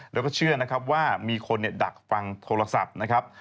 แล้วก็เชื่อนะครับว่ามีคนดักฟังโทรศัพท์นะครับ